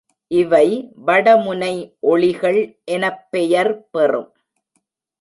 இவை வடமுனை ஒளிகள் எனப் பெயர் பெறும்.